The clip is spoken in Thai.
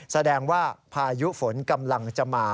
แสดงว่าพายุฝนกำลังจะมา